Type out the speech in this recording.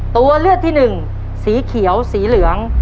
ตัวเลือกที่หนึ่งสีเขียวสีเหลือง